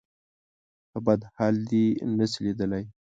په بد حال دې نه شي ليدلی.